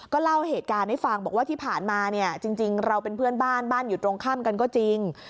เล่าเหตุการณ์ให้ฟังบอกว่าที่ผ่านมาเนี่ยจริงเราเป็นเพื่อนบ้านบ้านอยู่ตรงข้ามกันก็จริง